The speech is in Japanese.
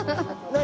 何？